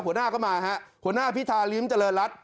หัวหน้าก็มาฮะหัวหน้าพิธาริมเจริญรัฐ